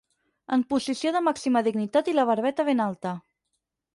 En posició de màxima dignitat i la barbeta ben alta.